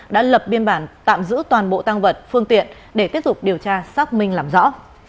đã lập biên bản tạm giữ toàn bộ tăng vật phương tiện để tiếp tục điều tra xác minh làm rõ